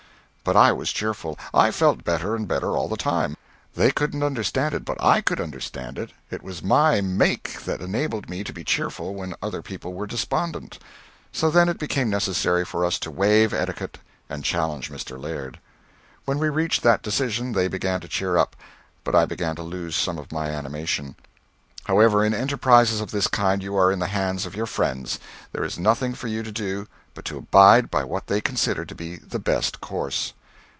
But I was cheerful; I felt better and better all the time. They couldn't understand it, but I could understand it. It was my make that enabled me to be cheerful when other people were despondent. So then it became necessary for us to waive etiquette and challenge Mr. Laird. When we reached that decision, they began to cheer up, but I began to lose some of my animation. However, in enterprises of this kind you are in the hands of your friends; there is nothing for you to do but to abide by what they consider to be the best course.